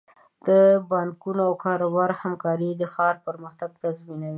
د بانکونو او کاروبارونو همکاري د ښار پرمختګ تضمینوي.